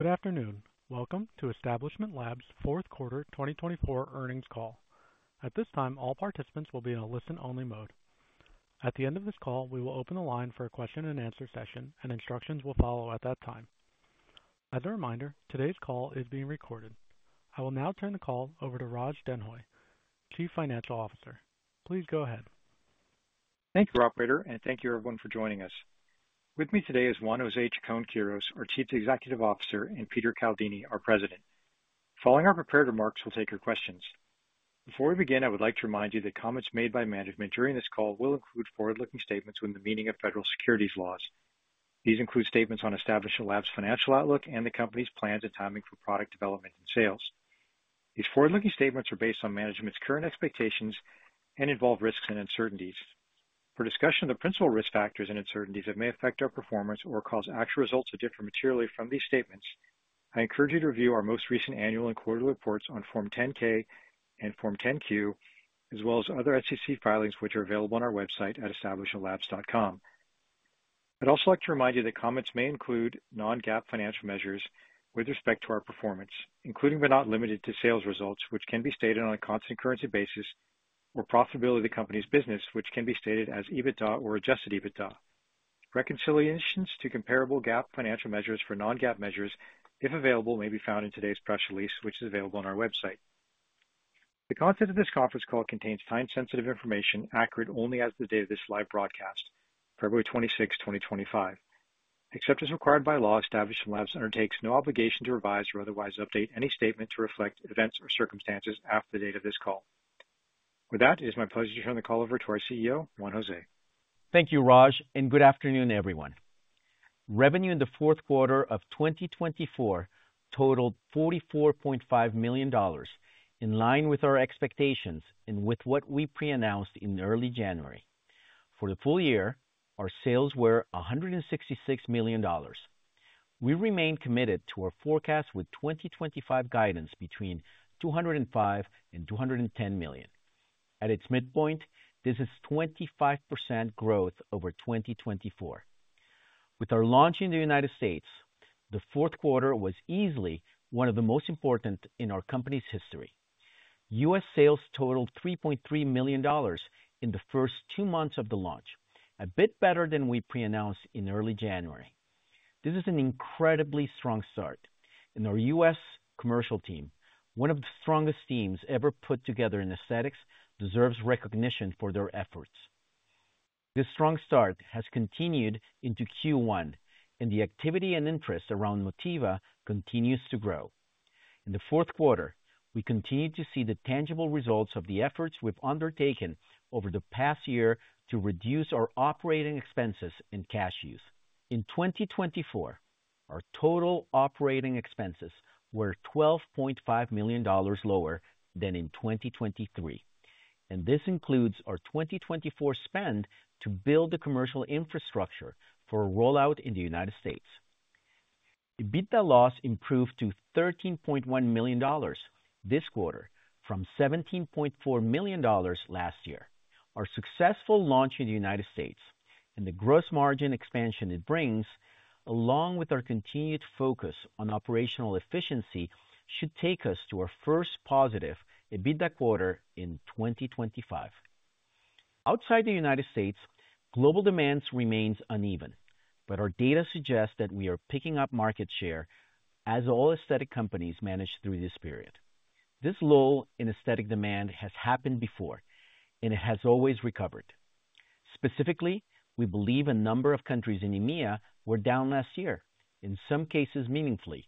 Good afternoon. Welcome to Establishment Labs' fourth quarter 2024 earnings call. At this time, all participants will be in a listen-only mode. At the end of this call, we will open the line for a question-and-answer session, and instructions will follow at that time. As a reminder, today's call is being recorded. I will now turn the call over to Raj Denhoy, Chief Financial Officer. Please go ahead. Thank you, Operator, and thank you, everyone, for joining us. With me today is Juan José Chacón-Quirós, our Chief Executive Officer, and Peter Caldini, our President. Following our prepared remarks, we'll take your questions. Before we begin, I would like to remind you that comments made by management during this call will include forward-looking statements within the meaning of federal securities laws. These include statements on Establishment Labs' financial outlook and the company's plans and timing for product development and sales. These forward-looking statements are based on management's current expectations and involve risks and uncertainties. For discussion of the principal risk factors and uncertainties that may affect our performance or cause actual results to differ materially from these statements, I encourage you to review our most recent annual and quarterly reports on Form 10-K and Form 10-Q, as well as other SEC filings which are available on our website at establishmentlabs.com. I'd also like to remind you that comments may include non-GAAP financial measures with respect to our performance, including but not limited to sales results, which can be stated on a constant currency basis, or profitability of the company's business, which can be stated as EBITDA or adjusted EBITDA. Reconciliations to comparable GAAP financial measures for non-GAAP measures, if available, may be found in today's press release, which is available on our website. The content of this conference call contains time-sensitive information accurate only as of the date of this live broadcast, February 26, 2025. Except as required by law, Establishment Labs undertakes no obligation to revise or otherwise update any statement to reflect events or circumstances after the date of this call. With that, it is my pleasure to turn the call over to our CEO, Juan José. Thank you, Raj, and good afternoon, everyone. Revenue in the fourth quarter of 2024 totaled $44.5 million, in line with our expectations and with what we pre-announced in early January. For the full year, our sales were $166 million. We remain committed to our forecast with 2025 guidance between $205 and $210 million. At its midpoint, this is 25% growth over 2024. With our launch in the United States, the fourth quarter was easily one of the most important in our company's history. U.S. sales totaled $3.3 million in the first two months of the launch, a bit better than we pre-announced in early January. This is an incredibly strong start. In our U.S. commercial team, one of the strongest teams ever put together in aesthetics deserves recognition for their efforts. This strong start has continued into Q1, and the activity and interest around Motiva continues to grow. In the fourth quarter, we continue to see the tangible results of the efforts we've undertaken over the past year to reduce our operating expenses and cash use. In 2024, our total operating expenses were $12.5 million lower than in 2023, and this includes our 2024 spend to build the commercial infrastructure for a rollout in the United States. EBITDA loss improved to $13.1 million this quarter from $17.4 million last year. Our successful launch in the United States and the gross margin expansion it brings, along with our continued focus on operational efficiency, should take us to our first positive EBITDA quarter in 2025. Outside the United States, global demand remains uneven, but our data suggests that we are picking up market share as all aesthetic companies managed through this period. This lull in aesthetic demand has happened before, and it has always recovered. Specifically, we believe a number of countries in EMEA were down last year, in some cases meaningfully,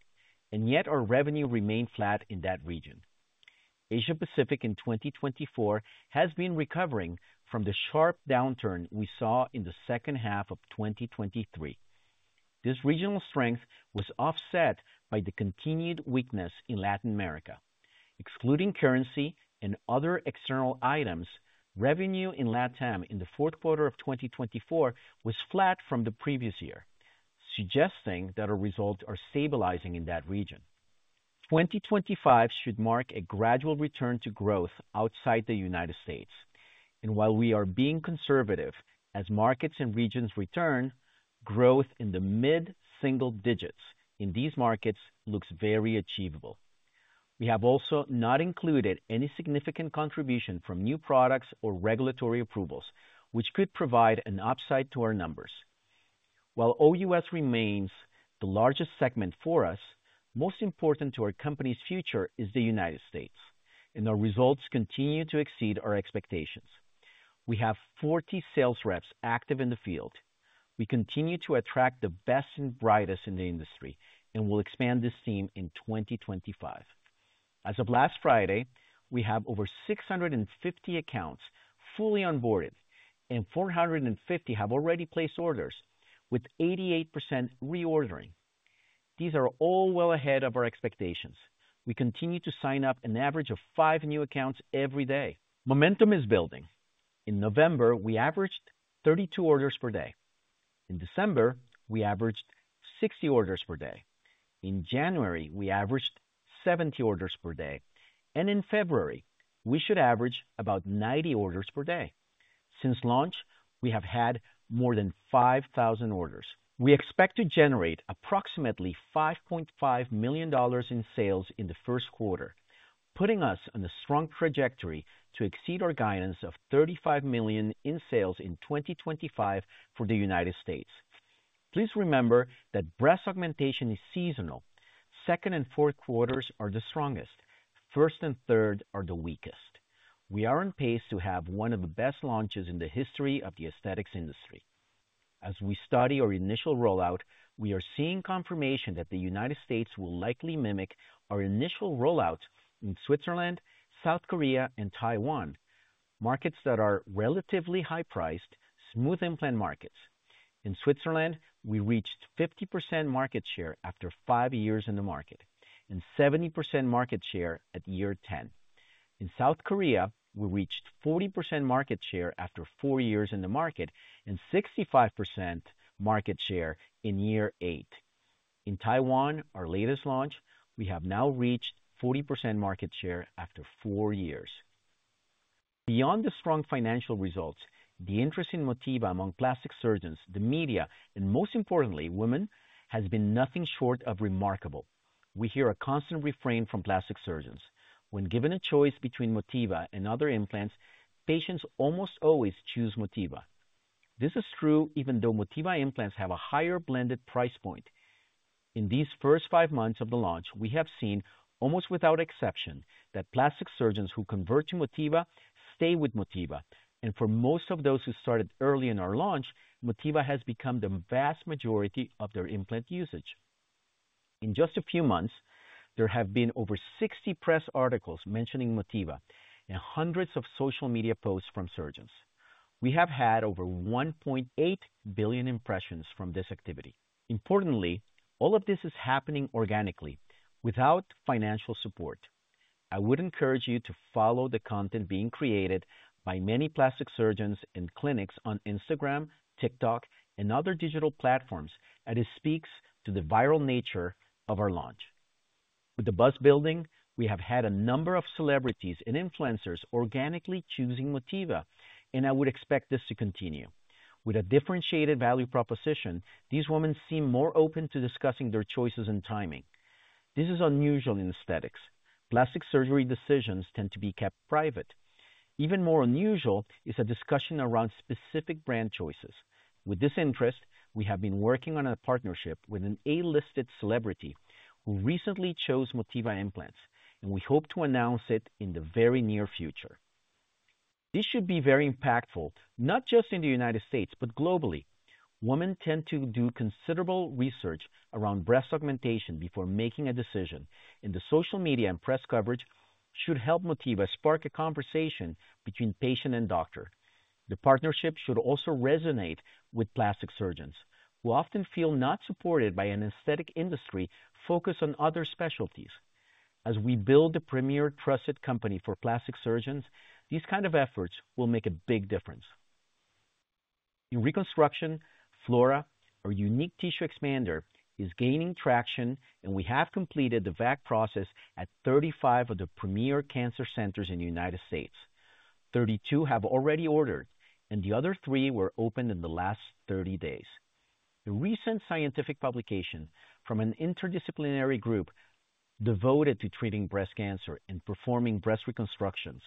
and yet our revenue remained flat in that region. Asia-Pacific in 2024 has been recovering from the sharp downturn we saw in the second half of 2023. This regional strength was offset by the continued weakness in Latin America. Excluding currency and other external items, revenue in LATAM in the fourth quarter of 2024 was flat from the previous year, suggesting that our results are stabilizing in that region. 2025 should mark a gradual return to growth outside the United States, and while we are being conservative as markets and regions return, growth in the mid-single digits in these markets looks very achievable. We have also not included any significant contribution from new products or regulatory approvals, which could provide an upside to our numbers. While OUS remains the largest segment for us, most important to our company's future is the United States, and our results continue to exceed our expectations. We have 40 sales reps active in the field. We continue to attract the best and brightest in the industry, and we'll expand this team in 2025. As of last Friday, we have over 650 accounts fully onboarded, and 450 have already placed orders, with 88% reordering. These are all well ahead of our expectations. We continue to sign up an average of five new accounts every day. Momentum is building. In November, we averaged 32 orders per day. In December, we averaged 60 orders per day. In January, we averaged 70 orders per day, and in February, we should average about 90 orders per day. Since launch, we have had more than 5,000 orders. We expect to generate approximately $5.5 million in sales in the first quarter, putting us on a strong trajectory to exceed our guidance of $35 million in sales in 2025 for the United States. Please remember that breast augmentation is seasonal. Second and fourth quarters are the strongest. First and third are the weakest. We are on pace to have one of the best launches in the history of the aesthetics industry. As we study our initial rollout, we are seeing confirmation that the United States will likely mimic our initial rollout in Switzerland, South Korea, and Taiwan, markets that are relatively high-priced, smooth implant markets. In Switzerland, we reached 50% market share after five years in the market and 70% market share at year 10. In South Korea, we reached 40% market share after four years in the market and 65% market share in year eight. In Taiwan, our latest launch, we have now reached 40% market share after four years. Beyond the strong financial results, the interest in Motiva among plastic surgeons, the media, and most importantly, women, has been nothing short of remarkable. We hear a constant refrain from plastic surgeons. When given a choice between Motiva and other implants, patients almost always choose Motiva. This is true even though Motiva implants have a higher blended price point. In these first five months of the launch, we have seen, almost without exception, that plastic surgeons who convert to Motiva stay with Motiva. And for most of those who started early in our launch, Motiva has become the vast majority of their implant usage. In just a few months, there have been over 60 press articles mentioning Motiva and hundreds of social media posts from surgeons. We have had over 1.8 billion impressions from this activity. Importantly, all of this is happening organically, without financial support. I would encourage you to follow the content being created by many plastic surgeons and clinics on Instagram, TikTok, and other digital platforms as it speaks to the viral nature of our launch. With the buzz building, we have had a number of celebrities and influencers organically choosing Motiva, and I would expect this to continue. With a differentiated value proposition, these women seem more open to discussing their choices and timing. This is unusual in aesthetics. Plastic surgery decisions tend to be kept private. Even more unusual is a discussion around specific brand choices. With this interest, we have been working on a partnership with an A-list celebrity who recently chose Motiva implants, and we hope to announce it in the very near future. This should be very impactful, not just in the United States, but globally. Women tend to do considerable research around breast augmentation before making a decision, and the social media and press coverage should help Motiva spark a conversation between patient and doctor. The partnership should also resonate with plastic surgeons, who often feel not supported by an aesthetic industry focused on other specialties. As we build the premier trusted company for plastic surgeons, these kinds of efforts will make a big difference. In reconstruction, Flora, our unique tissue expander, is gaining traction, and we have completed the VAC process at 35 of the premier cancer centers in the United States. 32 have already ordered, and the other three were opened in the last 30 days. A recent scientific publication from an interdisciplinary group devoted to treating breast cancer and performing breast reconstructions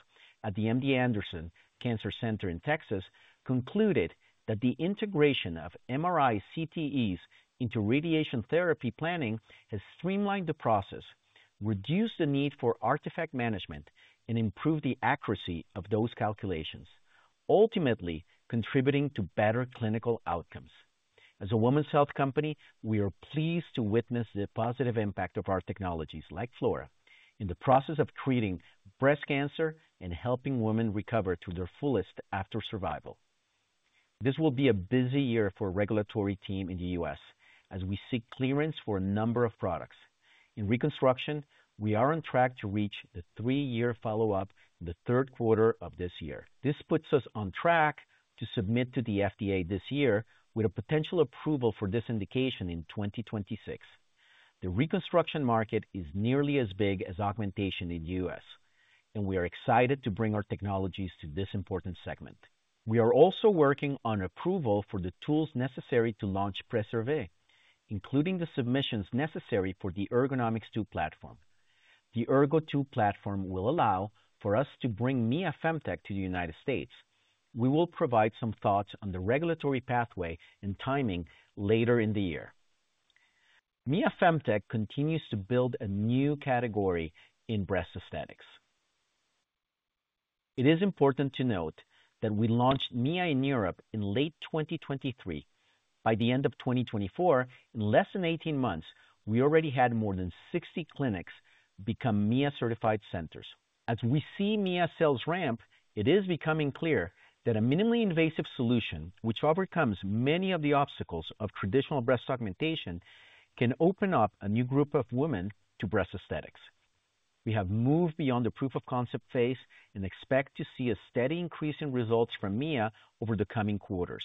at the MD Anderson Cancer Center in Texas concluded that the integration of MRI CTEs into radiation therapy planning has streamlined the process, reduced the need for artifact management, and improved the accuracy of those calculations, ultimately contributing to better clinical outcomes. As a women's health company, we are pleased to witness the positive impact of our technologies, like Flora, in the process of treating breast cancer and helping women recover to their fullest after survival. This will be a busy year for the regulatory team in the U.S. as we seek clearance for a number of products. In reconstruction, we are on track to reach the three-year follow-up in the third quarter of this year. This puts us on track to submit to the FDA this year with a potential approval for this indication in 2026. The reconstruction market is nearly as big as augmentation in the U.S., and we are excited to bring our technologies to this important segment. We are also working on approval for the tools necessary to launch Preserva, including the submissions necessary for the Ergonomix2 platform. The Ergonomix2 platform will allow for us to bring Mia Femtech to the United States. We will provide some thoughts on the regulatory pathway and timing later in the year. Mia Femtech continues to build a new category in breast aesthetics. It is important to note that we launched Mia in Europe in late 2023. By the end of 2024, in less than 18 months, we already had more than 60 clinics become Mia-certified centers. As we see Mia's sales ramp, it is becoming clear that a minimally invasive solution, which overcomes many of the obstacles of traditional breast augmentation, can open up a new group of women to breast aesthetics. We have moved beyond the proof-of-concept phase and expect to see a steady increase in results from Mia over the coming quarters.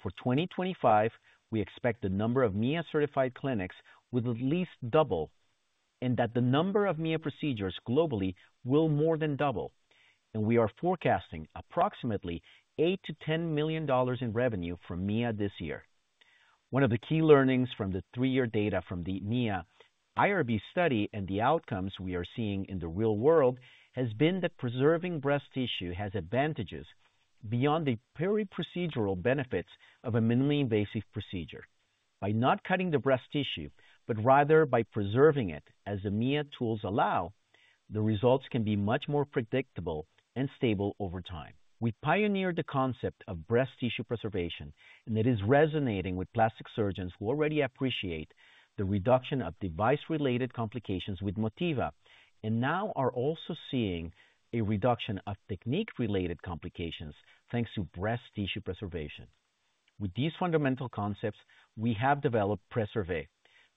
For 2025, we expect the number of Mia-certified clinics will at least double and that the number of Mia procedures globally will more than double. And we are forecasting approximately $8-$10 million in revenue from Mia this year. One of the key learnings from the three-year data from the Mia IRB study and the outcomes we are seeing in the real world has been that preserving breast tissue has advantages beyond the periprocedural benefits of a minimally invasive procedure. By not cutting the breast tissue, but rather by preserving it as the Mia tools allow, the results can be much more predictable and stable over time. We pioneered the concept of breast tissue preservation, and it is resonating with plastic surgeons who already appreciate the reduction of device-related complications with Motiva and now are also seeing a reduction of technique-related complications thanks to breast tissue preservation. With these fundamental concepts, we have developed Preserva,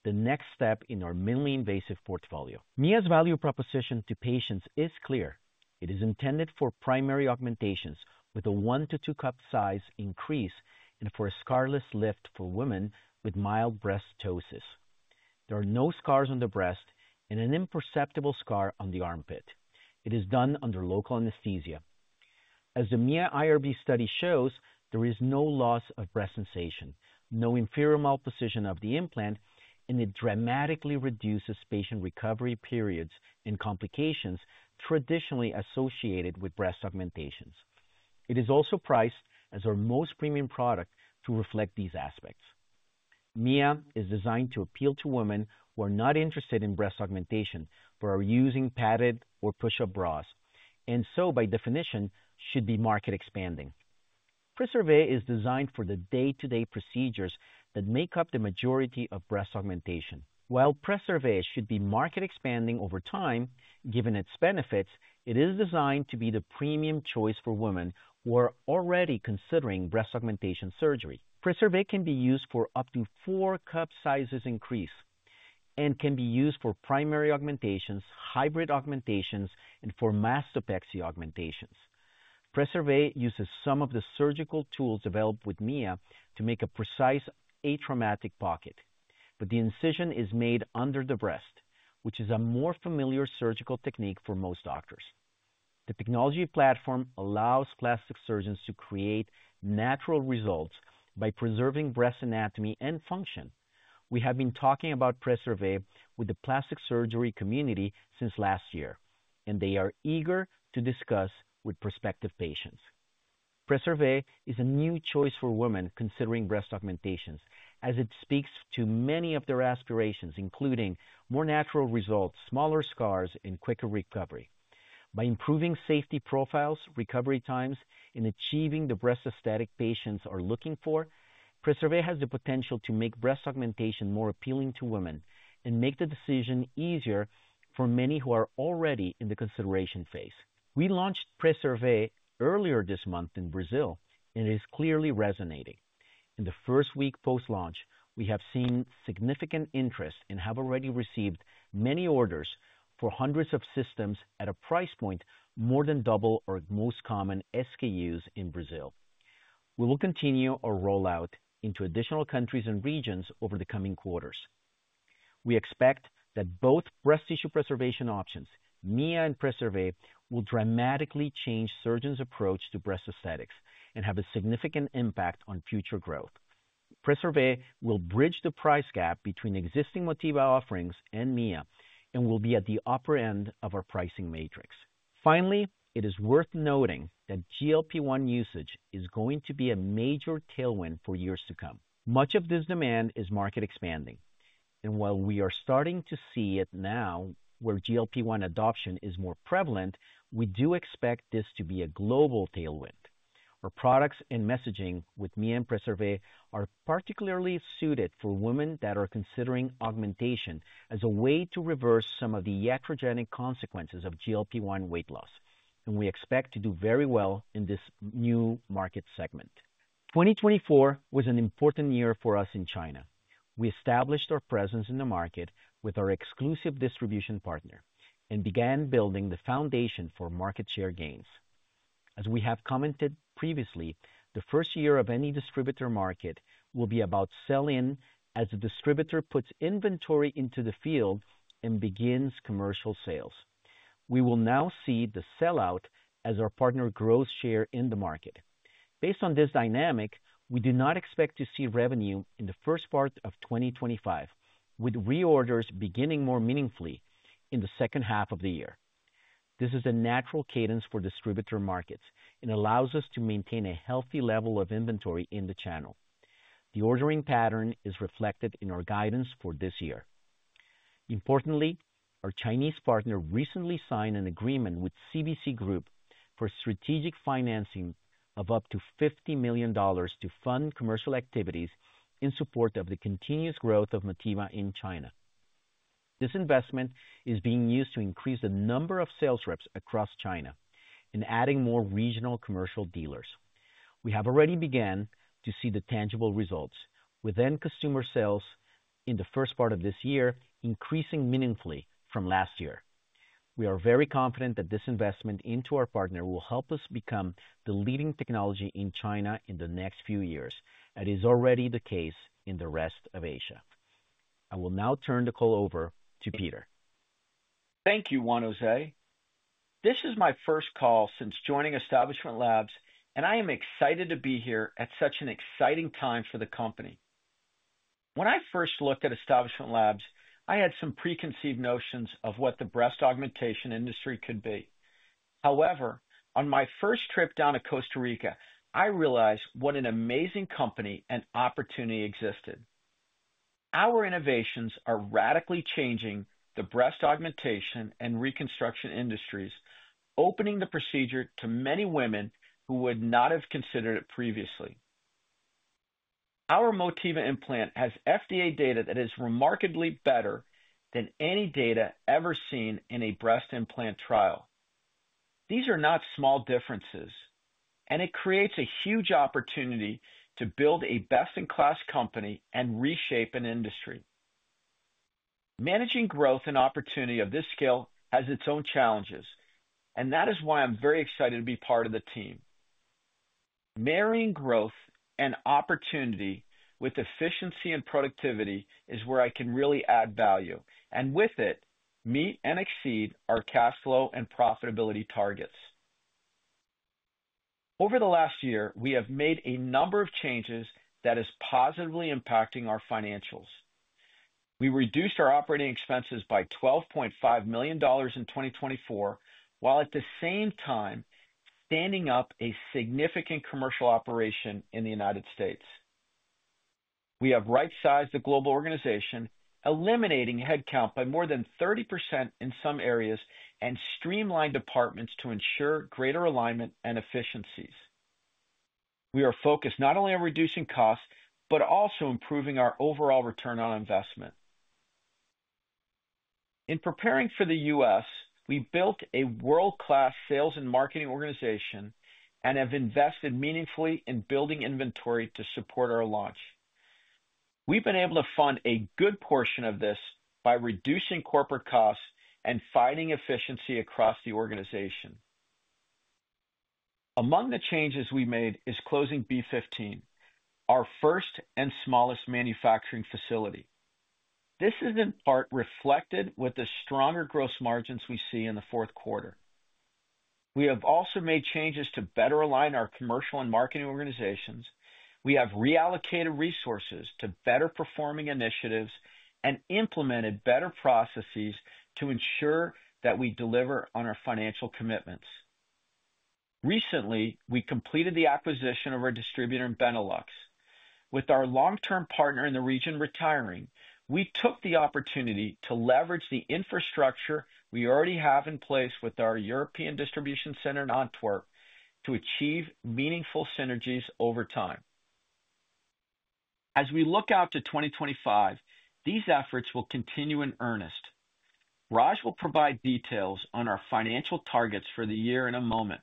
the next step in our minimally invasive portfolio. Mia's value proposition to patients is clear. It is intended for primary augmentations with a one to two cup size increase and for a scarless lift for women with mild breast ptosis. There are no scars on the breast and an imperceptible scar on the armpit. It is done under local anesthesia. As the Mia IRB study shows, there is no loss of breast sensation, no inferior malposition of the implant, and it dramatically reduces patient recovery periods and complications traditionally associated with breast augmentations. It is also priced as our most premium product to reflect these aspects. Mia is designed to appeal to women who are not interested in breast augmentation but are using padded or push-up bras and so, by definition, should be market-expanding. Preserva is designed for the day-to-day procedures that make up the majority of breast augmentation. While Preserva should be market-expanding over time, given its benefits, it is designed to be the premium choice for women who are already considering breast augmentation surgery. Preserva can be used for up to four cup sizes increase and can be used for primary augmentations, hybrid augmentations, and for mastopexy augmentations. Preserva uses some of the surgical tools developed with Mia to make a precise atraumatic pocket, but the incision is made under the breast, which is a more familiar surgical technique for most doctors. The technology platform allows plastic surgeons to create natural results by preserving breast anatomy and function. We have been talking about Preserva with the plastic surgery community since last year, and they are eager to discuss with prospective patients. Preserva is a new choice for women considering breast augmentations as it speaks to many of their aspirations, including more natural results, smaller scars, and quicker recovery. By improving safety profiles, recovery times, and achieving the breast aesthetic patients are looking for, Preserva has the potential to make breast augmentation more appealing to women and make the decision easier for many who are already in the consideration phase. We launched Preserva earlier this month in Brazil, and it is clearly resonating. In the first week post-launch, we have seen significant interest and have already received many orders for hundreds of systems at a price point more than double our most common SKUs in Brazil. We will continue our rollout into additional countries and regions over the coming quarters. We expect that both breast tissue preservation options, Mia and Preserva, will dramatically change surgeons' approach to breast aesthetics and have a significant impact on future growth. Preserva will bridge the price gap between existing Motiva offerings and Mia and will be at the upper end of our pricing matrix. Finally, it is worth noting that GLP-1 usage is going to be a major tailwind for years to come. Much of this demand is market-expanding. While we are starting to see it now, where GLP-1 adoption is more prevalent, we do expect this to be a global tailwind. Our products and messaging with Mia and Preserva are particularly suited for women that are considering augmentation as a way to reverse some of the iatrogenic consequences of GLP-1 weight loss, and we expect to do very well in this new market segment. 2024 was an important year for us in China. We established our presence in the market with our exclusive distribution partner and began building the foundation for market share gains. As we have commented previously, the first year of any distributor market will be about sell-in as the distributor puts inventory into the field and begins commercial sales. We will now see the sell-out as our partner grows share in the market. Based on this dynamic, we do not expect to see revenue in the first part of 2025, with reorders beginning more meaningfully in the second half of the year. This is a natural cadence for distributor markets and allows us to maintain a healthy level of inventory in the channel. The ordering pattern is reflected in our guidance for this year. Importantly, our Chinese partner recently signed an agreement with CBC Group for strategic financing of up to $50 million to fund commercial activities in support of the continuous growth of Motiva in China. This investment is being used to increase the number of sales reps across China and adding more regional commercial dealers. We have already begun to see the tangible results, with end-consumer sales in the first part of this year increasing meaningfully from last year. We are very confident that this investment into our partner will help us become the leading technology in China in the next few years, as is already the case in the rest of Asia. I will now turn the call over to Peter. Thank you, Juan José. This is my first call since joining Establishment Labs, and I am excited to be here at such an exciting time for the company. When I first looked at Establishment Labs, I had some preconceived notions of what the breast augmentation industry could be. However, on my first trip down to Costa Rica, I realized what an amazing company and opportunity existed. Our innovations are radically changing the breast augmentation and reconstruction industries, opening the procedure to many women who would not have considered it previously. Our Motiva implant has FDA data that is remarkably better than any data ever seen in a breast implant trial. These are not small differences, and it creates a huge opportunity to build a best-in-class company and reshape an industry. Managing growth and opportunity of this scale has its own challenges, and that is why I'm very excited to be part of the team. Marrying growth and opportunity with efficiency and productivity is where I can really add value, and with it, meet and exceed our cash flow and profitability targets. Over the last year, we have made a number of changes that are positively impacting our financials. We reduced our operating expenses by $12.5 million in 2024, while at the same time standing up a significant commercial operation in the United States. We have right-sized the global organization, eliminating headcount by more than 30% in some areas, and streamlined departments to ensure greater alignment and efficiencies. We are focused not only on reducing costs, but also improving our overall return on investment. In preparing for the U.S., we built a world-class sales and marketing organization and have invested meaningfully in building inventory to support our launch. We've been able to fund a good portion of this by reducing corporate costs and finding efficiency across the organization. Among the changes we made is closing B15, our first and smallest manufacturing facility. This is in part reflected with the stronger gross margins we see in the fourth quarter. We have also made changes to better align our commercial and marketing organizations. We have reallocated resources to better-performing initiatives and implemented better processes to ensure that we deliver on our financial commitments. Recently, we completed the acquisition of our distributor in Benelux. With our long-term partner in the region retiring, we took the opportunity to leverage the infrastructure we already have in place with our European distribution center in Antwerp to achieve meaningful synergies over time. As we look out to 2025, these efforts will continue in earnest. Raj will provide details on our financial targets for the year in a moment,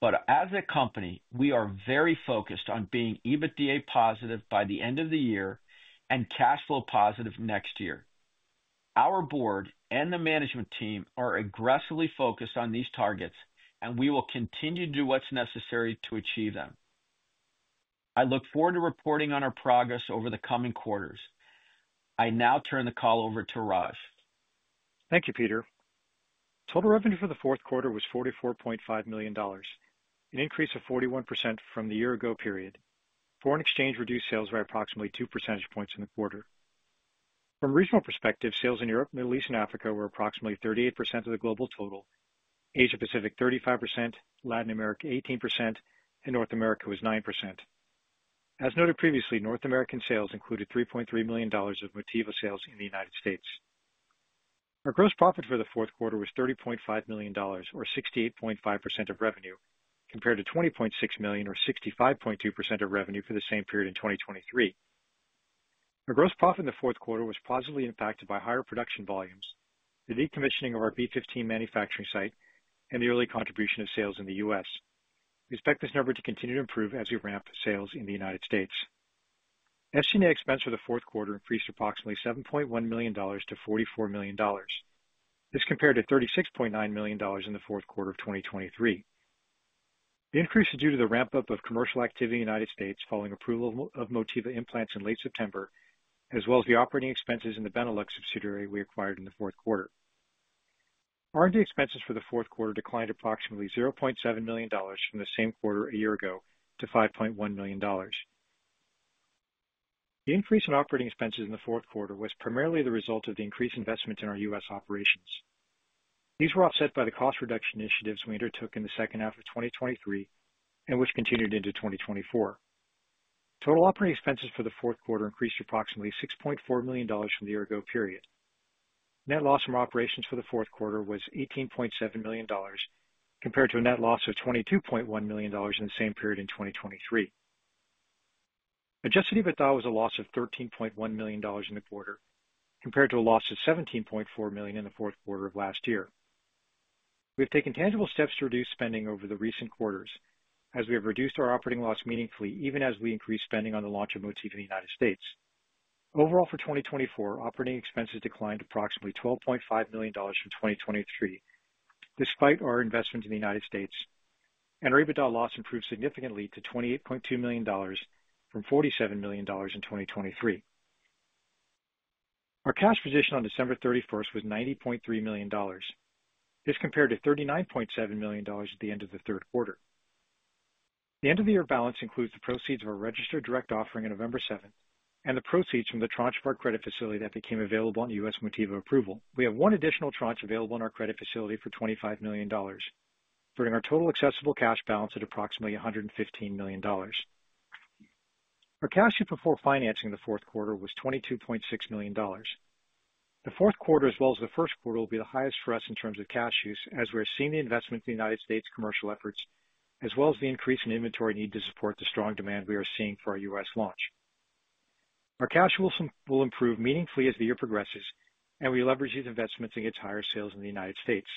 but as a company, we are very focused on being EBITDA positive by the end of the year and cash flow positive next year. Our board and the management team are aggressively focused on these targets, and we will continue to do what's necessary to achieve them. I look forward to reporting on our progress over the coming quarters. I now turn the call over to Raj. Thank you, Peter. Total revenue for the fourth quarter was $44.5 million, an increase of 41% from the year-ago period. Foreign exchange reduced sales by approximately two percentage points in the quarter. From a regional perspective, sales in Europe, Middle East, and Africa were approximately 38% of the global total. Asia-Pacific, 35%, Latin America, 18%, and North America was 9%. As noted previously, North American sales included $3.3 million of Motiva sales in the United States. Our gross profit for the fourth quarter was $30.5 million, or 68.5% of revenue, compared to $20.6 million, or 65.2% of revenue for the same period in 2023. Our gross profit in the fourth quarter was positively impacted by higher production volumes, the decommissioning of our B15 manufacturing site, and the early contribution of sales in the U.S. We expect this number to continue to improve as we ramp sales in the United States. SG&A expenses for the fourth quarter increased approximately $7.1 million to $44 million. This compared to $36.9 million in the fourth quarter of 2023. The increase is due to the ramp-up of commercial activity in the United States following approval of Motiva implants in late September, as well as the operating expenses in the Benelux subsidiary we acquired in the fourth quarter. R&D expenses for the fourth quarter declined approximately $0.7 million from the same quarter a year ago to $5.1 million. The increase in operating expenses in the fourth quarter was primarily the result of the increased investment in our U.S. operations. These were offset by the cost reduction initiatives we undertook in the second half of 2023 and which continued into 2024. Total operating expenses for the fourth quarter increased approximately $6.4 million from the year-ago period. Net loss from operations for the fourth quarter was $18.7 million, compared to a net loss of $22.1 million in the same period in 2023. Adjusted EBITDA was a loss of $13.1 million in the quarter, compared to a loss of $17.4 million in the fourth quarter of last year. We have taken tangible steps to reduce spending over the recent quarters, as we have reduced our operating loss meaningfully even as we increased spending on the launch of Motiva in the United States. Overall, for 2024, operating expenses declined approximately $12.5 million from 2023, despite our investment in the United States, and our EBITDA loss improved significantly to $28.2 million from $47 million in 2023. Our cash position on December 31st was $90.3 million. This compared to $39.7 million at the end of the third quarter. The end-of-the-year balance includes the proceeds of our registered direct offering on November 7th and the proceeds from the tranche of our credit facility that became available on U.S. Motiva approval. We have one additional tranche available in our credit facility for $25 million, bringing our total accessible cash balance at approximately $115 million. Our cash use before financing in the fourth quarter was $22.6 million. The fourth quarter, as well as the first quarter, will be the highest for us in terms of cash use, as we are seeing the investment in the United States commercial efforts, as well as the increase in inventory need to support the strong demand we are seeing for our U.S. launch. Our cash will improve meaningfully as the year progresses, and we leverage these investments against higher sales in the United States.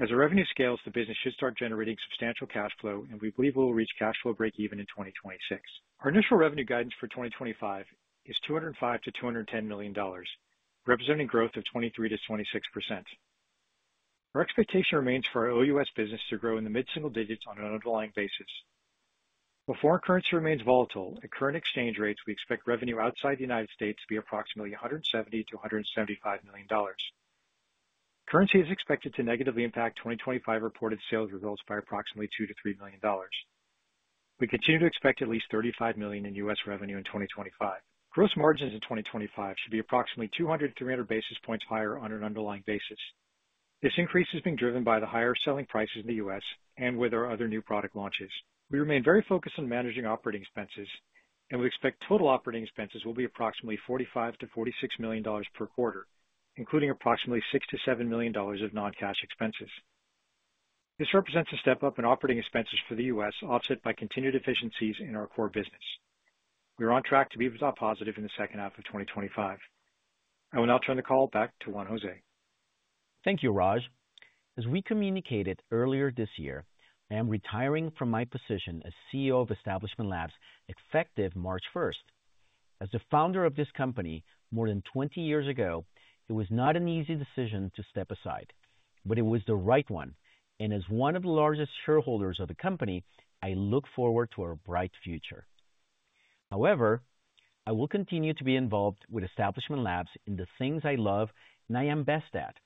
As our revenue scales, the business should start generating substantial cash flow, and we believe we will reach cash flow break-even in 2026. Our initial revenue guidance for 2025 is $205-$210 million, representing growth of 23%-26%. Our expectation remains for our OUS business to grow in the mid-single digits on an underlying basis. However, our currency remains volatile, at current exchange rates, we expect revenue outside the United States to be approximately $170-$175 million. Currency is expected to negatively impact 2025 reported sales results by approximately $2-$3 million. We continue to expect at least $35 million in U.S. revenue in 2025. Gross margins in 2025 should be approximately 200 to 300 basis points higher on an underlying basis. This increase is being driven by the higher selling prices in the U.S. and with our other new product launches. We remain very focused on managing operating expenses, and we expect total operating expenses will be approximately $45-$46 million per quarter, including approximately $6-$7 million of non-cash expenses. This represents a step up in operating expenses for the U.S., offset by continued efficiencies in our core business. We are on track to be EBITDA positive in the second half of 2025. I will now turn the call back to Juan José. Thank you, Raj. As we communicated earlier this year, I am retiring from my position as CEO of Establishment Labs effective March 1st. As the founder of this company more than 20 years ago, it was not an easy decision to step aside, but it was the right one, and as one of the largest shareholders of the company, I look forward to our bright future. However, I will continue to be involved with Establishment Labs in the things I love and I am best at: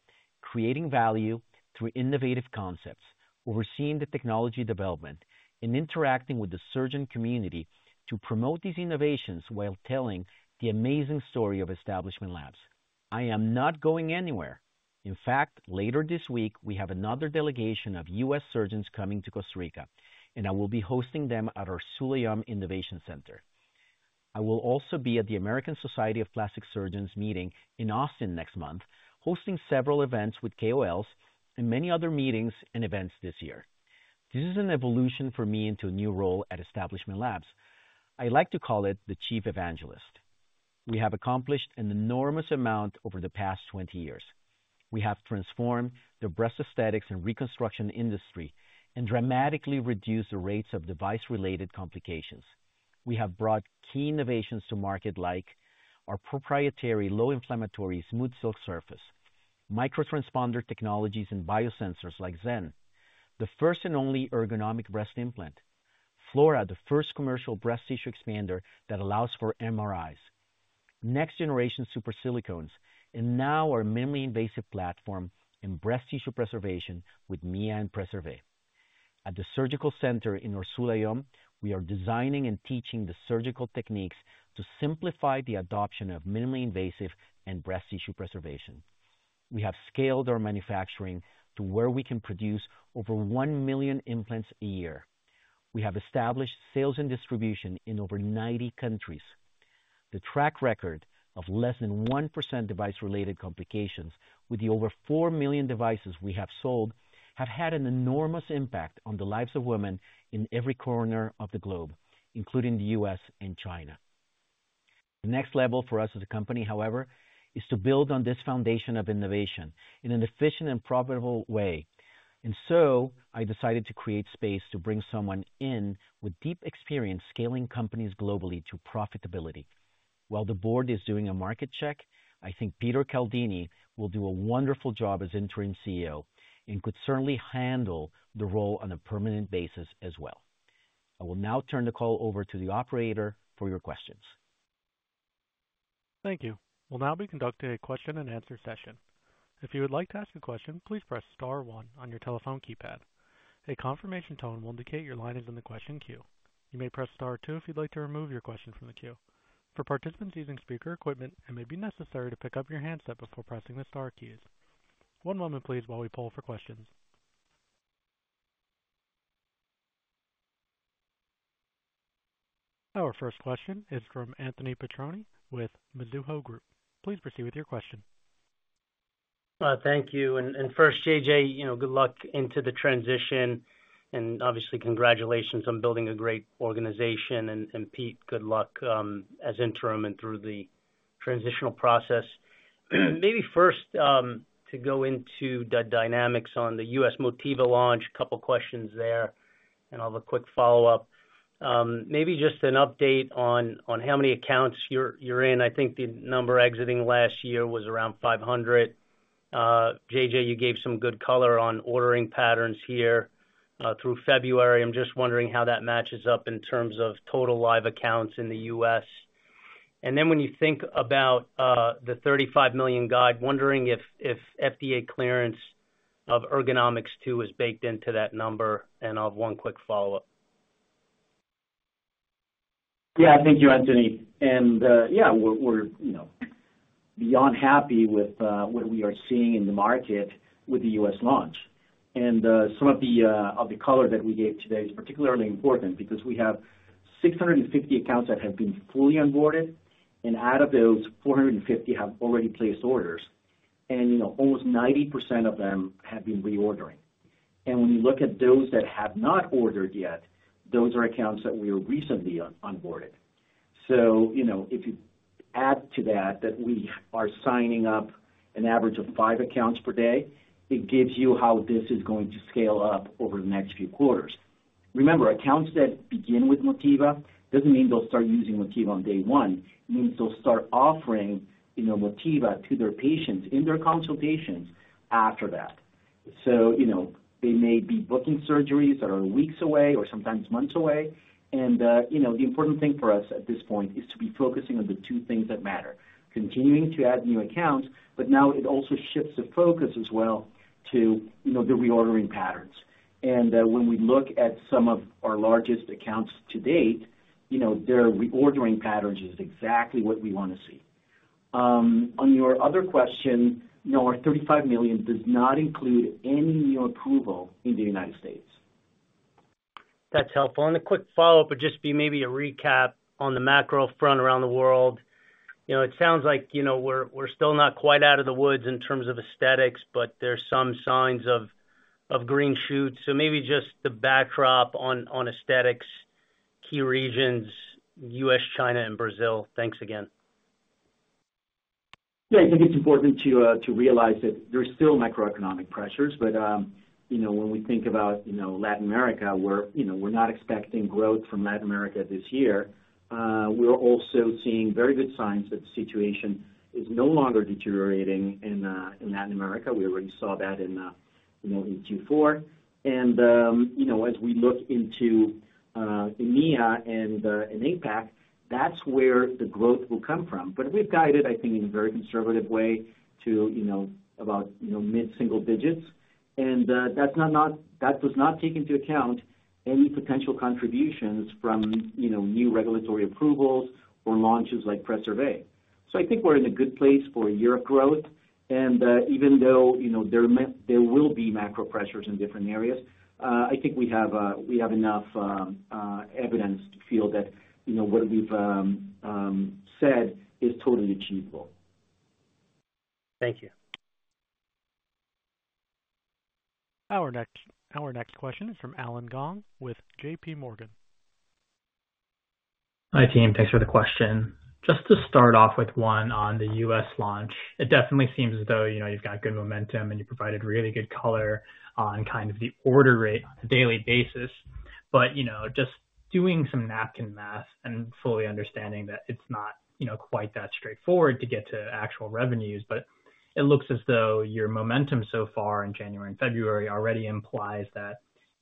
creating value through innovative concepts, overseeing the technology development, and interacting with the surgeon community to promote these innovations while telling the amazing story of Establishment Labs. I am not going anywhere. In fact, later this week, we have another delegation of U.S. surgeons coming to Costa Rica, and I will be hosting them at our Sulàyom Innovation Center. I will also be at the American Society of Plastic Surgeons meeting in Austin next month, hosting several events with KOLs and many other meetings and events this year. This is an evolution for me into a new role at Establishment Labs. I like to call it the chief evangelist. We have accomplished an enormous amount over the past 20 years. We have transformed the breast aesthetics and reconstruction industry and dramatically reduced the rates of device-related complications. We have brought key innovations to market, like our proprietary low-inflammatory SmoothSilk surface, microtransponder technologies, and biosensors like Zen, the first and only ergonomic breast implant, Flora, the first commercial breast tissue expander that allows for MRIs, next-generation super silicones, and now our minimally invasive platform in breast tissue preservation with Mia Preserva. At the surgical center in our Sulàyom, we are designing and teaching the surgical techniques to simplify the adoption of minimally invasive and breast tissue preservation. We have scaled our manufacturing to where we can produce over 1 million implants a year. We have established sales and distribution in over 90 countries. The track record of less than 1% device-related complications with the over 4 million devices we have sold has had an enormous impact on the lives of women in every corner of the globe, including the U.S. and China. The next level for us as a company, however, is to build on this foundation of innovation in an efficient and profitable way. And so, I decided to create space to bring someone in with deep experience scaling companies globally to profitability. While the board is doing a market check, I think Peter Caldini will do a wonderful job as Interim CEO and could certainly handle the role on a permanent basis as well. I will now turn the call over to the operator for your questions. Thank you. We'll now be conducting a question-and-answer session. If you would like to ask a question, please press Star 1 on your telephone keypad. A confirmation tone will indicate your line is in the question queue. You may press Star 2 if you'd like to remove your question from the queue. For participants using speaker equipment, it may be necessary to pick up your handset before pressing the Star keys. One moment, please, while we pull for questions. Our first question is from Anthony Petroni with Mizuho Group. Please proceed with your question. Thank you. And first, JJ, good luck into the transition, and obviously, congratulations on building a great organization. And Pete, good luck as interim and through the transitional process. Maybe first, to go into the dynamics on the U.S. Motiva launch, a couple of questions there, and I'll have a quick follow-up. Maybe just an update on how many accounts you're in. I think the number exiting last year was around 500. JJ, you gave some good color on ordering patterns here through February. I'm just wondering how that matches up in terms of total live accounts in the U.S. Then when you think about the $35 million guide, wondering if FDA clearance of Ergonomix2 is baked into that number, and I'll have one quick follow-up. Yeah, thank you, Anthony. Yeah, we're beyond happy with what we are seeing in the market with the U.S. launch. Some of the color that we gave today is particularly important because we have 650 accounts that have been fully onboarded, and out of those, 450 have already placed orders, and almost 90% of them have been reordering. When you look at those that have not ordered yet, those are accounts that we have recently onboarded. So if you add to that that we are signing up an average of five accounts per day, it gives you how this is going to scale up over the next few quarters. Remember, accounts that begin with Motiva doesn't mean they'll start using Motiva on day one. It means they'll start offering Motiva to their patients in their consultations after that. So they may be booking surgeries that are weeks away or sometimes months away. And the important thing for us at this point is to be focusing on the two things that matter: continuing to add new accounts, but now it also shifts the focus as well to the reordering patterns. And when we look at some of our largest accounts to date, their reordering patterns is exactly what we want to see. On your other question, our $35 million does not include any new approval in the United States. That's helpful, and a quick follow-up would just be maybe a recap on the macro front around the world. It sounds like we're still not quite out of the woods in terms of aesthetics, but there are some signs of green shoots, so maybe just the backdrop on aesthetics, key regions, U.S., China, and Brazil. Thanks again. Yeah, I think it's important to realize that there are still macroeconomic pressures, but when we think about Latin America, where we're not expecting growth from Latin America this year, we're also seeing very good signs that the situation is no longer deteriorating in Latin America. We already saw that in Q4, and as we look into EMEA and APAC, that's where the growth will come from. But we've guided, I think, in a very conservative way to about mid-single digits. And that does not take into account any potential contributions from new regulatory approvals or launches like Preserva. So I think we're in a good place for a year of growth. And even though there will be macro pressures in different areas, I think we have enough evidence to feel that what we've said is totally achievable. Thank you. Our next question is from Alan Gong with J.P. Morgan. Hi, team. Thanks for the question. Just to start off with one on the U.S. launch, it definitely seems as though you've got good momentum and you provided really good color on kind of the order rate on a daily basis. But just doing some napkin math and fully understanding that it's not quite that straightforward to get to actual revenues, but it looks as though your momentum so far in January and February already implies that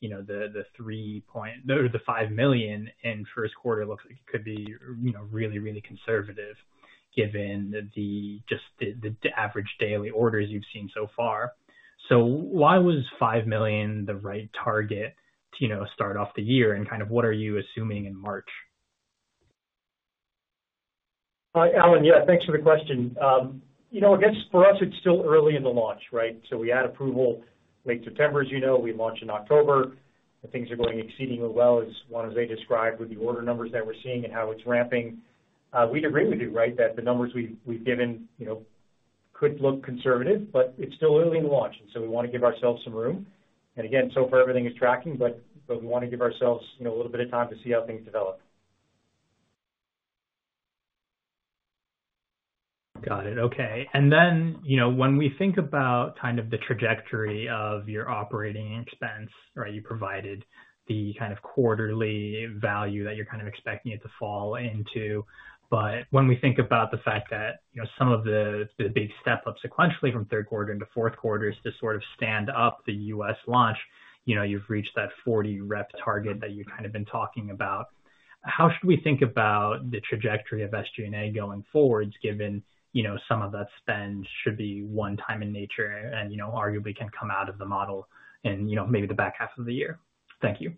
the $5 million in first quarter looks like it could be really, really conservative given just the average daily orders you've seen so far. So why was $5 million the right target to start off the year? And kind of what are you assuming in March? Hi, Alan. Yeah, thanks for the question. I guess for us, it's still early in the launch, right? So we had approval late September, as you know. We launched in October. Things are going exceedingly well, as Juan José described with the order numbers that we're seeing and how it's ramping. We'd agree with you, right, that the numbers we've given could look conservative, but it's still early in the launch. And so we want to give ourselves some room. And again, so far everything is tracking, but we want to give ourselves a little bit of time to see how things develop. Got it. Okay. And then when we think about kind of the trajectory of your operating expense, right, you provided the kind of quarterly value that you're kind of expecting it to fall into. But when we think about the fact that some of the big step-ups sequentially from third quarter into fourth quarters to sort of stand up the U.S. launch, you've reached that 40 rep target that you've kind of been talking about. How should we think about the trajectory of SG&A going forward, given some of that spend should be one-time in nature and arguably can come out of the model in maybe the back half of the year? Thank you.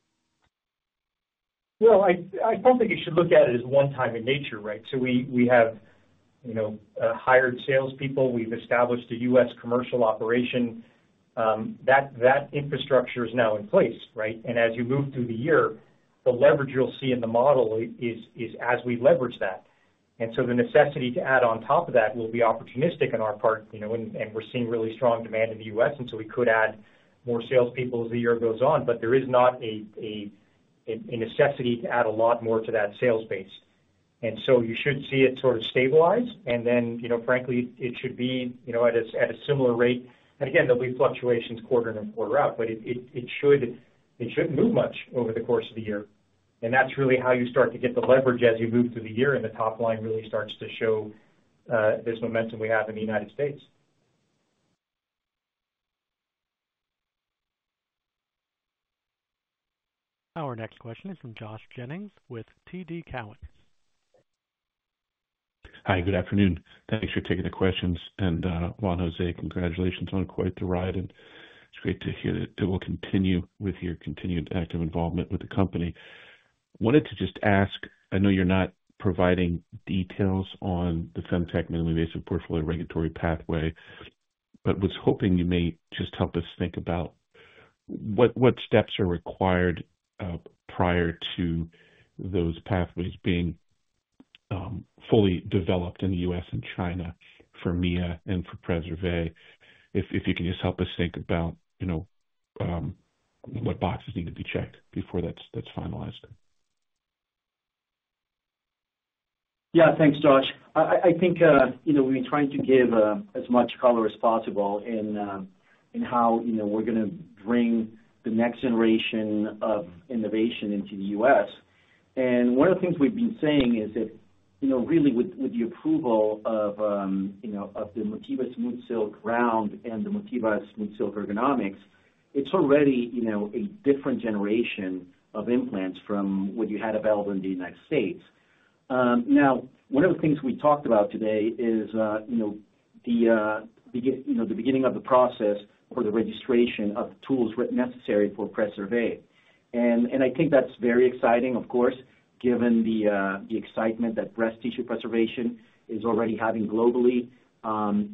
Well, I think you should look at it as one-time in nature, right? So we have hired salespeople. We've established a U.S. commercial operation. That infrastructure is now in place, right? And as you move through the year, the leverage you'll see in the model is as we leverage that. And so the necessity to add on top of that will be opportunistic on our part. And we're seeing really strong demand in the U.S., and so we could add more salespeople as the year goes on, but there is not a necessity to add a lot more to that sales base. And so you should see it sort of stabilize. And then, frankly, it should be at a similar rate. And again, there'll be fluctuations quarter in and quarter out, but it shouldn't move much over the course of the year. And that's really how you start to get the leverage as you move through the year and the top line really starts to show this momentum we have in the United States. Our next question is from Josh Jennings with TD Cowen. Hi, good afternoon. Thanks for taking the questions. And Juan José, congratulations on quite the ride. And it's great to hear that it will continue with your continued active involvement with the company. I wanted to just ask, I know you're not providing details on the FemTech minimally invasive portfolio regulatory pathway, but was hoping you may just help us think about what steps are required prior to those pathways being fully developed in the U.S. and China for Mia and for Preserva. If you can just help us think about what boxes need to be checked before that's finalized? Yeah, thanks, Josh. I think we've been trying to give as much color as possible in how we're going to bring the next generation of innovation into the U.S. And one of the things we've been saying is that really with the approval of the Motiva SmoothSilk Round and the Motiva SmoothSilk Ergonomix, it's already a different generation of implants from what you had available in the United States. Now, one of the things we talked about today is the beginning of the process for the registration of tools necessary for Preserva. And I think that's very exciting, of course, given the excitement that breast tissue preservation is already having globally.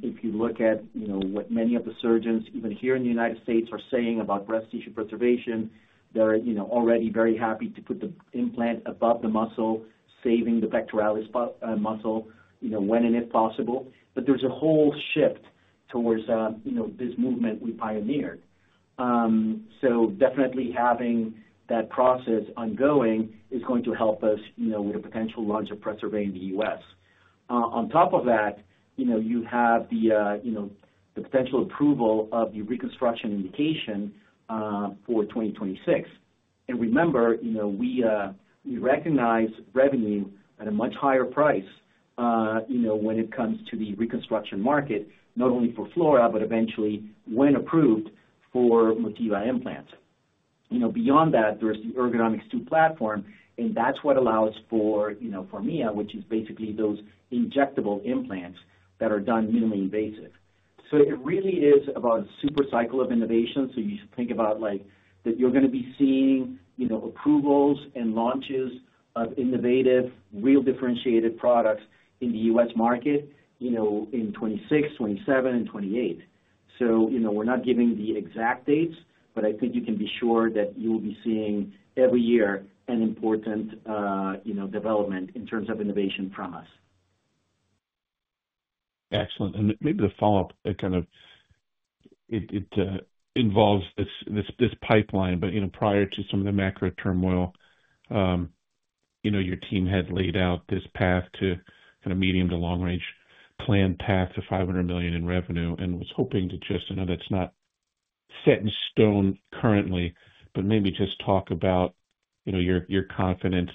If you look at what many of the surgeons, even here in the United States, are saying about breast tissue preservation, they're already very happy to put the implant above the muscle, saving the pectoralis muscle when and if possible. But there's a whole shift towards this movement we pioneered. So definitely having that process ongoing is going to help us with a potential launch of Preserva in the U.S. On top of that, you have the potential approval of the reconstruction indication for 2026. And remember, we recognize revenue at a much higher price when it comes to the reconstruction market, not only for Flora, but eventually, when approved, for Motiva implants. Beyond that, there's the Ergonomix2 platform, and that's what allows for Mia, which is basically those injectable implants that are done minimally invasive. So it really is about a super cycle of innovation. So you should think about that you're going to be seeing approvals and launches of innovative, real differentiated products in the U.S. market in 2026, 2027, and 2028. So we're not giving the exact dates, but I think you can be sure that you will be seeing every year an important development in terms of innovation from us. Excellent. And maybe the follow-up kind of involves this pipeline, but prior to some of the macro turmoil, your team had laid out this path to kind of medium to long-range planned path to $500 million in revenue and was hoping to just-I know that's not set in stone currently-but maybe just talk about your confidence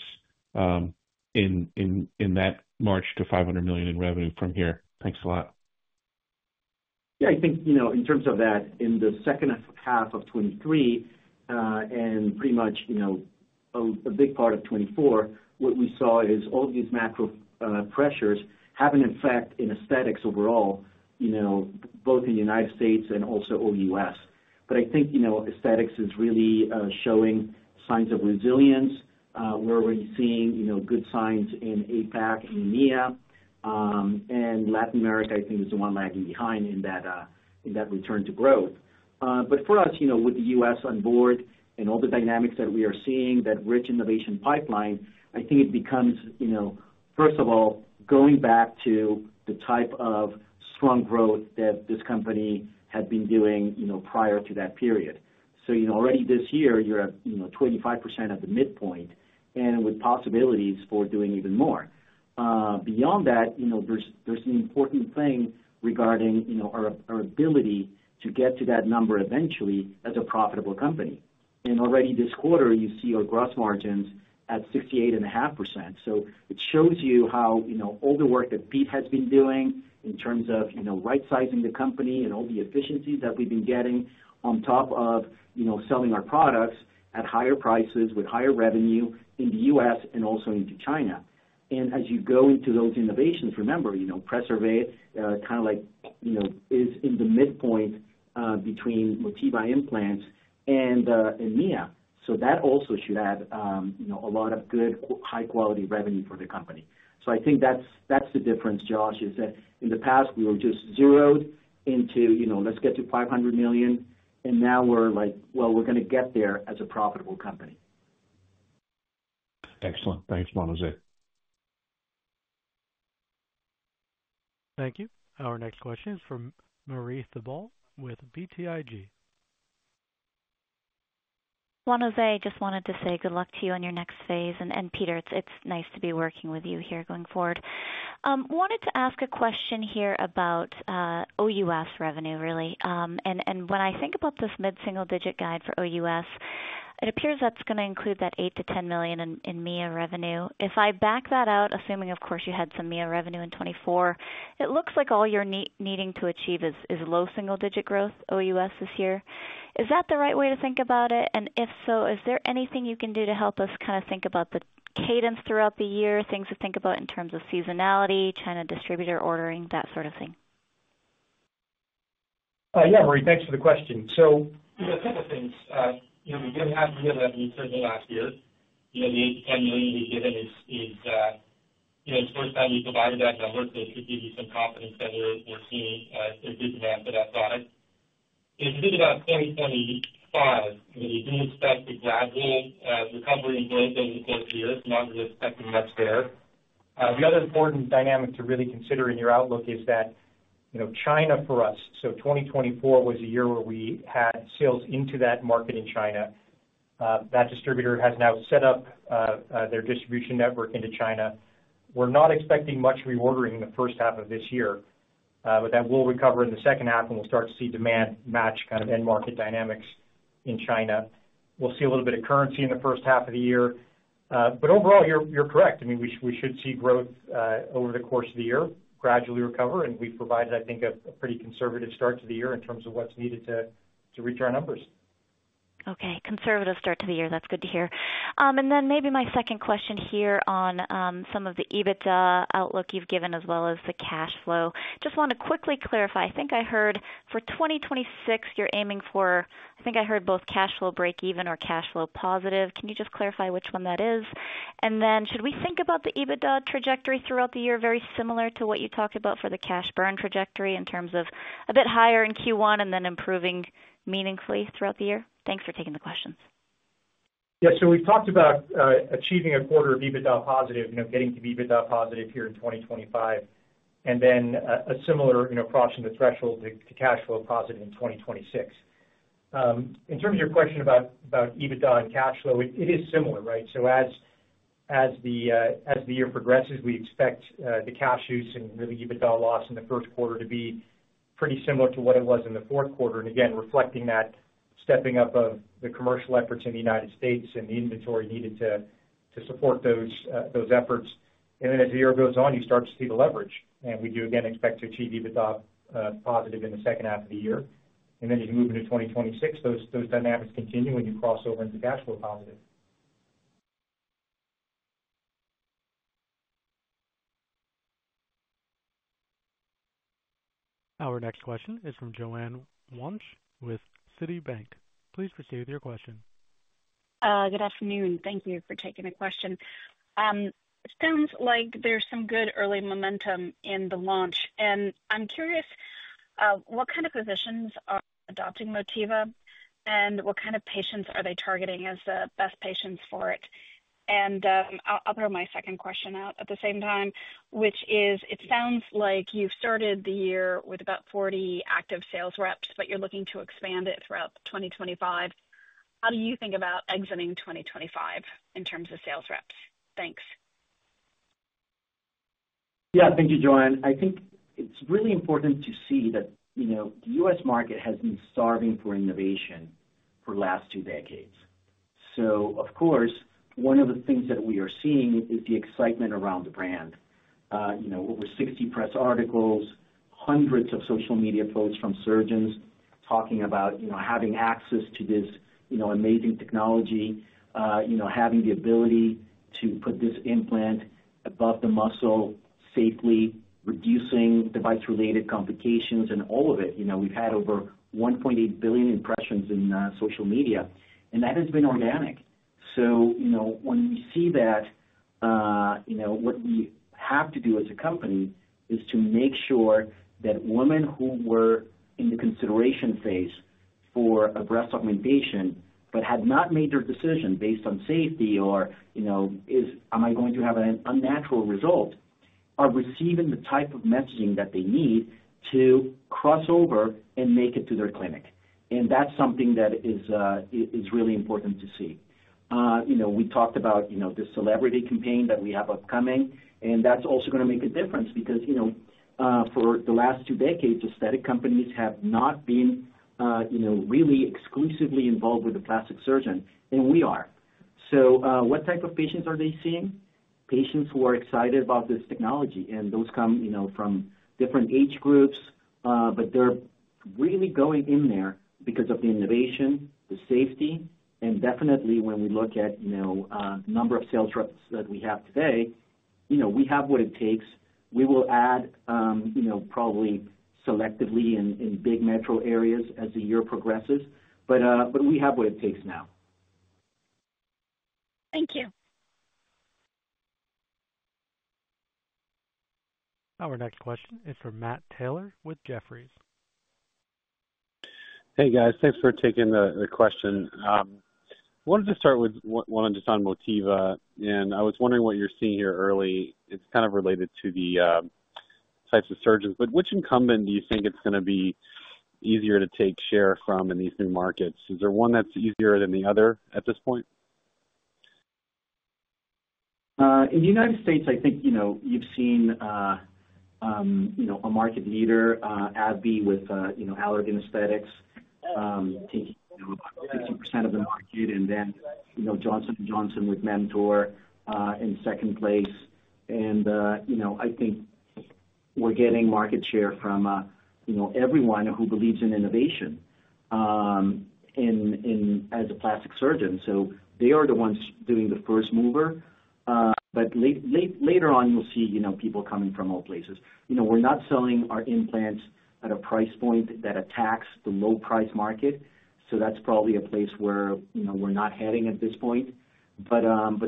in that March to $500 million in revenue from here. Thanks a lot. Yeah, I think in terms of that, in the second half of 2023 and pretty much a big part of 2024, what we saw is all of these macro pressures having an effect in aesthetics overall, both in the United States. I think aesthetics is really showing signs of resilience. We're already seeing good signs in APAC and EMEA. Latin America, I think, is the one lagging behind in that return to growth. For us, with the U.S. on board and all the dynamics that we are seeing, that rich innovation pipeline, I think it becomes, first of all, going back to the type of strong growth that this company had been doing prior to that period. So already this year, you're at 25% at the midpoint and with possibilities for doing even more. Beyond that, there's an important thing regarding our ability to get to that number eventually as a profitable company. Already this quarter, you see our gross margins at 68.5%. So it shows you how all the work that Pete has been doing in terms of right-sizing the company and all the efficiencies that we've been getting on top of selling our products at higher prices with higher revenue in the U.S. and also into China. As you go into those innovations, remember, Preserva kind of is in the midpoint between Motiva implants and EMEA. That also should add a lot of good, high-quality revenue for the company. I think that's the difference, Josh, is that in the past, we were just zeroed into let's get to $500 million, and now we're like, well, we're going to get there as a profitable company. Excellent. Thanks, Juan José. Thank you. Our next question is from Marie Thibault with BTIG. Juan José, I just wanted to say good luck to you on your next phase. And Peter, it's nice to be working with you here going forward. Wanted to ask a question here about OUS revenue, really. And when I think about this mid-single-digit guide for OUS, it appears that's going to include that $8 million-$10 million in Mia revenue. If I back that out, assuming, of course, you had some Mia revenue in 2024, it looks like all you're needing to achieve is low single-digit growth OUS this year. Is that the right way to think about it? And if so, is there anything you can do to help us kind of think about the cadence throughout the year, things to think about in terms of seasonality, China distributor ordering, that sort of thing? Yeah, Marie, thanks for the question. So a couple of things. We didn't have Mia revenue for the last year. The $8 million-$10 million we guidance is the first time we provided that number, so it should give you some confidence that we're seeing a good demand for that product. It's a bit about 2025, but we do expect a gradual recovery in growth over the course of the year. It's not really expecting much there. The other important dynamic to really consider in your outlook is that China for us, so 2024 was a year where we had sales into that market in China. That distributor has now set up their distribution network into China. We're not expecting much reordering in the first half of this year, but that will recover in the second half, and we'll start to see demand match kind of end market dynamics in China. We'll see a little bit of currency in the first half of the year. But overall, you're correct. I mean, we should see growth over the course of the year, gradually recover, and we've provided, I think, a pretty conservative start to the year in terms of what's needed to reach our numbers. Okay. Conservative start to the year. That's good to hear. And then maybe my second question here on some of the EBITDA outlook you've given as well as the cash flow. Just want to quickly clarify. I think I heard for 2026, you're aiming for, I think I heard both cash flow break-even or cash flow positive. Can you just clarify which one that is? And then should we think about the EBITDA trajectory throughout the year very similar to what you talked about for the cash burn trajectory in terms of a bit higher in Q1 and then improving meaningfully throughout the year? Thanks for taking the questions. Yeah. So we've talked about achieving a quarter of EBITDA positive, getting to EBITDA positive here in 2025, and then a similar crossing the threshold to cash flow positive in 2026. In terms of your question about EBITDA and cash flow, it is similar, right? So as the year progresses, we expect the cash use and really EBITDA loss in the first quarter to be pretty similar to what it was in the fourth quarter. And again, reflecting that stepping up of the commercial efforts in the United States and the inventory needed to support those efforts. Then as the year goes on, you start to see the leverage. We do, again, expect to achieve EBITDA positive in the second half of the year. Then as you move into 2026, those dynamics continue when you cross over into cash flow positive. Our next question is from Joanne Wuensch with Citibank. Please proceed with your question. Good afternoon. Thank you for taking the question. It sounds like there's some good early momentum in the launch. I'm curious, what kind of positions are adopting Motiva and what kind of patients are they targeting as the best patients for it? I'll throw my second question out at the same time, which is, it sounds like you've started the year with about 40 active sales reps, but you're looking to expand it throughout 2025. How do you think about exiting 2025 in terms of sales reps? Thanks. Yeah, thank you, Joanne. I think it's really important to see that the U.S. market has been starving for innovation for the last two decades. So, of course, one of the things that we are seeing is the excitement around the brand. Over 60 press articles, hundreds of social media posts from surgeons talking about having access to this amazing technology, having the ability to put this implant above the muscle safely, reducing device-related complications, and all of it. We've had over 1.8 billion impressions in social media, and that has been organic. So when we see that, what we have to do as a company is to make sure that women who were in the consideration phase for a breast augmentation but had not made their decision based on safety or, "Am I going to have an unnatural result?" are receiving the type of messaging that they need to cross over and make it to their clinic. And that's something that is really important to see. We talked about the celebrity campaign that we have upcoming, and that's also going to make a difference because for the last two decades, aesthetic companies have not been really exclusively involved with the plastic surgeon, and we are. So what type of patients are they seeing? Patients who are excited about this technology. And those come from different age groups, but they're really going in there because of the innovation, the safety, and definitely, when we look at the number of sales reps that we have today, we have what it takes. We will add probably selectively in big metro areas as the year progresses, but we have what it takes now. Thank you. Our next question is from Matt Taylor with Jefferies. Hey, guys. Thanks for taking the question. I wanted to start with one just on Motiva, and I was wondering what you're seeing here early. It's kind of related to the types of surgeons, but which incumbent do you think it's going to be easier to take share from in these new markets? Is there one that's easier than the other at this point? In the United States, I think you've seen a market leader, AbbVie with Allergan Aesthetics, taking about 50% of the market, and then Johnson & Johnson with Mentor in second place. And I think we're getting market share from everyone who believes in innovation as a plastic surgeon. So they are the ones doing the first mover, but later on, you'll see people coming from all places. We're not selling our implants at a price point that attacks the low-price market, so that's probably a place where we're not heading at this point. But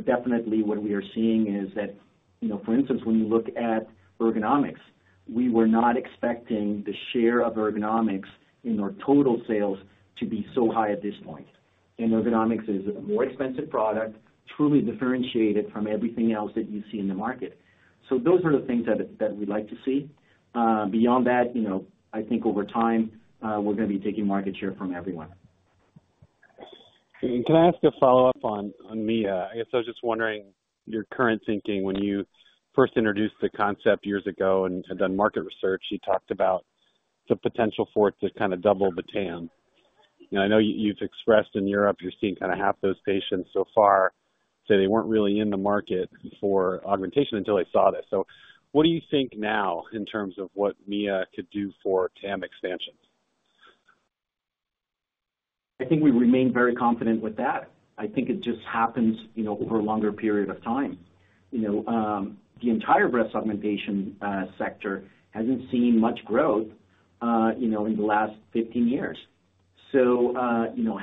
definitely, what we are seeing is that, for instance, when you look at Ergonomix, we were not expecting the share of Ergonomix in our total sales to be so high at this point. And Ergonomix is a more expensive product, truly differentiated from everything else that you see in the market. So those are the things that we'd like to see. Beyond that, I think over time, we're going to be taking market share from everyone. Can I ask a follow-up on Mia? I guess I was just wondering your current thinking when you first introduced the concept years ago and had done market research. You talked about the potential for it to kind of double the TAM. I know you've expressed in Europe you're seeing kind of half those patients so far. So they weren't really in the market for augmentation until they saw this. So what do you think now in terms of what Mia could do for TAM expansion? I think we remain very confident with that. I think it just happens over a longer period of time. The entire breast augmentation sector hasn't seen much growth in the last 15 years. So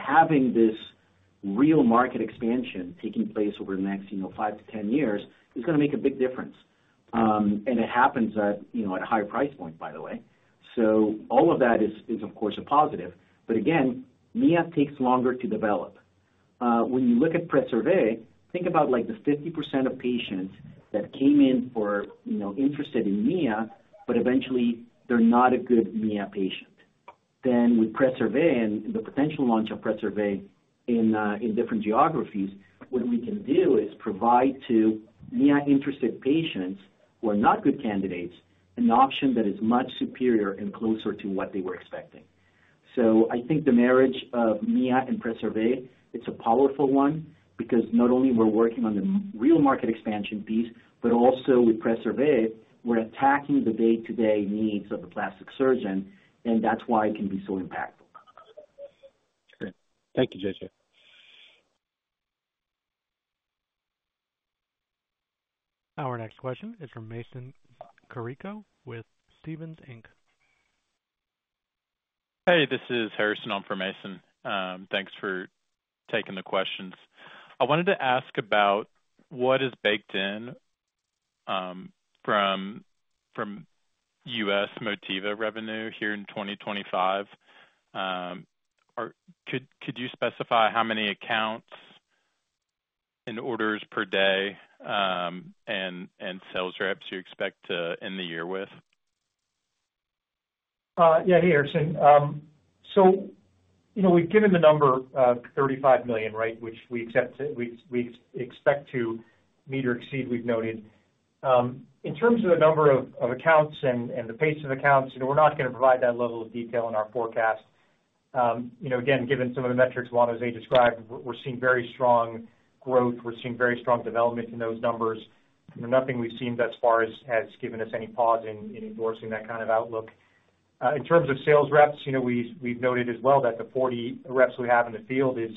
having this real market expansion taking place over the next five to 10 years is going to make a big difference. And it happens at a high price point, by the way. So all of that is, of course, a positive. But again, Mia takes longer to develop. When you look at Preserva, think about the 50% of patients that came in for interested in Mia, but eventually, they're not a good Mia patient. Then with Preserva and the potential launch of Preserva in different geographies, what we can do is provide to Mia-interested patients who are not good candidates an option that is much superior and closer to what they were expecting. So I think the marriage of Mia and Preserva, it's a powerful one because not only we're working on the real market expansion piece, but also with Preserva, we're attacking the day-to-day needs of the plastic surgeon, and that's why it can be so impactful. Okay. Thank you, JJ. Our next question is from Mason Carico with Stephens Inc. Hey, this is Harrison. I'm from Mason. Thanks for taking the questions. I wanted to ask about what is baked in from U.S. Motiva revenue here in 2025. Could you specify how many accounts and orders per day and sales reps you expect to end the year with? Yeah, hey, Harrison. So we've given the number $35 million, right, which we expect to meet or exceed, we've noted. In terms of the number of accounts and the pace of accounts, we're not going to provide that level of detail in our forecast. Again, given some of the metrics Juan José described, we're seeing very strong growth. We're seeing very strong development in those numbers. Nothing we've seen thus far has given us any pause in endorsing that kind of outlook. In terms of sales reps, we've noted as well that the 40 reps we have in the field is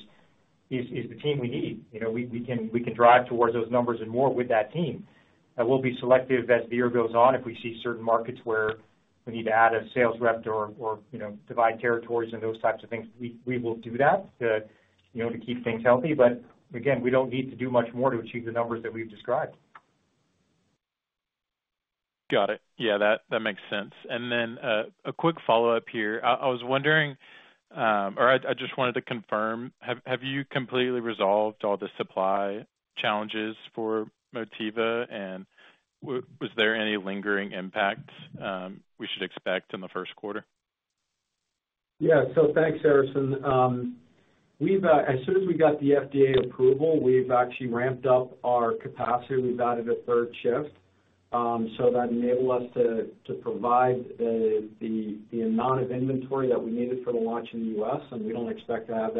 the team we need. We can drive towards those numbers and more with that team. We'll be selective as the year goes on. If we see certain markets where we need to add a sales rep or divide territories and those types of things, we will do that to keep things healthy. But again, we don't need to do much more to achieve the numbers that we've described. Got it. Yeah, that makes sense. And then a quick follow-up here. I was wondering, or I just wanted to confirm, have you completely resolved all the supply challenges for Motiva, and was there any lingering impact we should expect in the first quarter? Yeah. So thanks, Harrison. As soon as we got the FDA approval, we've actually ramped up our capacity. We've added a third shift. So that enabled us to provide the amount of inventory that we needed for the launch in the U.S., and we don't expect to have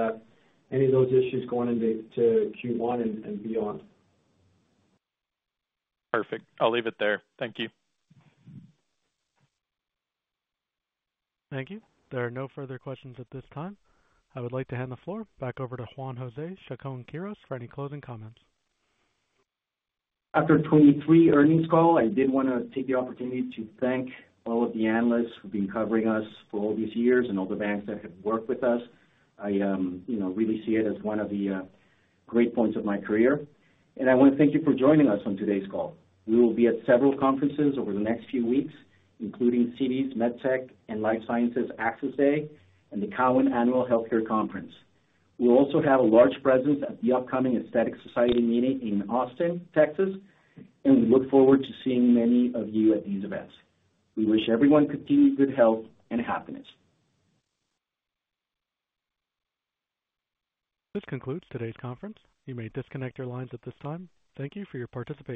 any of those issues going into Q1 and beyond. Perfect. I'll leave it there. Thank you. Thank you. There are no further questions at this time. I would like to hand the floor back over to Juan José Chacón-Quiros for any closing comments. After our Q3 earnings call, I did want to take the opportunity to thank all of the analysts who've been covering us for all these years and all the banks that have worked with us. I really see it as one of the great points of my career, and I want to thank you for joining us on today's call. We will be at several conferences over the next few weeks, including Citi's MedTech and Life Sciences Access Day and the Cowen Annual Healthcare Conference. We'll also have a large presence at the upcoming Aesthetic Society meeting in Austin, Texas, and we look forward to seeing many of you at these events. We wish everyone continued good health and happiness. This concludes today's conference. You may disconnect your lines at this time. Thank you for your participation.